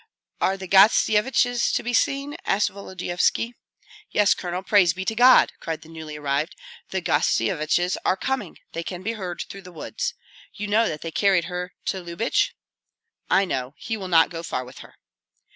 "Are the Gostsyeviches to be seen?" asked Volodyovski. "Yes, Colonel. Praise be to God!" cried the newly arrived. "The Gostsyeviches are coming; they can be heard through the woods. You know that they carried her to Lyubich?" "I know. He will not go far with her."